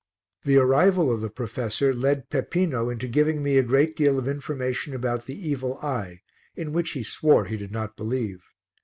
The arrival of the professor led Peppino into giving me a great deal of information about the evil eye in which he swore he did not believe.